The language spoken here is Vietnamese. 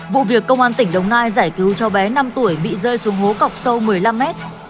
vụ việc công an tỉnh đồng nai giải cứu cháu bé năm tuổi bị rơi xuống hố cọc sâu một mươi năm mét